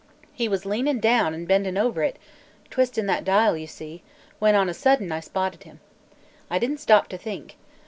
He was leanin' down an' bendin' over it, twisting that dial you see, when on a sudden I spotted him. I didn't stop to think.